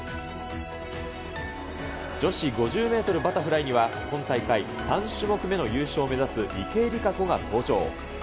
女子５０メートルバタフライには、今大会３種目目の優勝を目指す池江璃花子が登場。